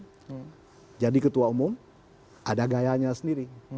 tetapi di luar langgam itu adalah selain itu adalah platform dan sebagainya rencana dan sebagainya tidak ada